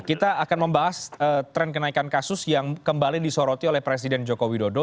kita akan membahas tren kenaikan kasus yang kembali disoroti oleh presiden joko widodo